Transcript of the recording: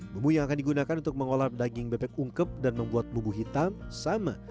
memuatkan digunakan untuk mengolah daging bebek ungkep dan membuat bubuk hitam sama